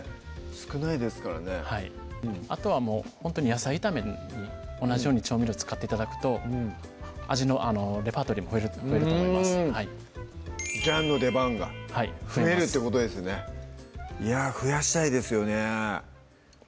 少ないですからねはいあとはもうほんとに野菜炒めに同じように調味料使って頂くと味のレパートリーも増えると思います醤の出番が増えるってことですねいや増やしたいですよね